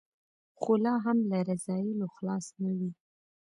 خو لا هم له رذایلو خلاص نه وي.